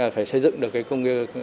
phải xây dựng được công nghiệp